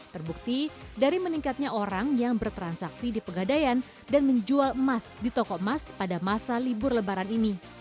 terbukti dari meningkatnya orang yang bertransaksi di pegadaian dan menjual emas di toko emas pada masa libur lebaran ini